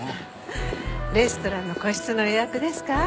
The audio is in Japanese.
レストランの個室の予約ですか？